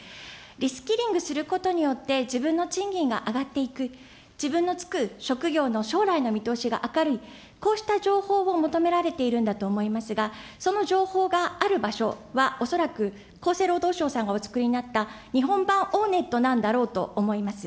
リスキリングすることによって自分の賃金が上がっていく、自分の就く職業の将来の見通しが明るい、こうした情報を求められているんだと思いますが、その情報がある場所はおそらく厚生労働省さんがお作りになった日本版オーネットなんだろうと思います。